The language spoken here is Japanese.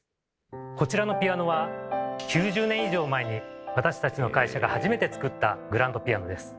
こちらのピアノは９０年以上前に私たちの会社が初めて作ったグランドピアノです。